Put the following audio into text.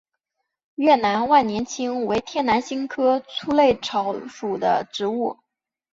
越南万年青为天南星科粗肋草属的植物。